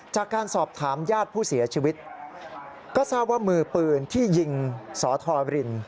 จากการสอบถามญาติผู้เสียชีวิตก็ทราบว่ามือปืนที่ยิงสธริน